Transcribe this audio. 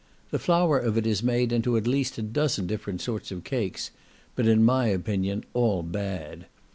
The flour of it is made into at least a dozen different sorts of cakes; but in my opinion all bad.